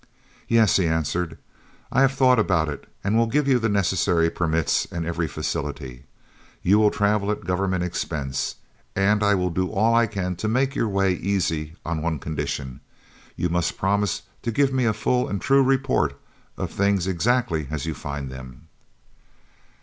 "Yes," he answered. "I have thought about it and will give you the necessary permits and every facility. You will travel at Government expense, and I will do all I can to make your way easy, on one condition. You must promise to give me a full and true report of things exactly as you find them."